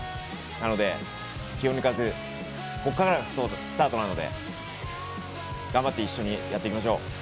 なので、気を抜かず、ここからがスタートなので、頑張って一緒にやっていきましょう。